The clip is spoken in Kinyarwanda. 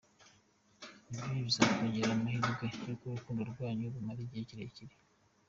Ibyo bizakongerera amahirwe yuko urukundo rwanyu rumara igihe kirekire.